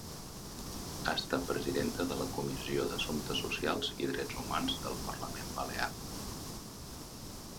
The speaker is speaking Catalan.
Ha estat Presidenta de la Comissió d'Assumptes Socials i Drets Humans del Parlament Balear.